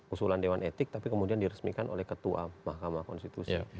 usulan dewan etik tapi kemudian diresmikan oleh ketua mahkamah konstitusi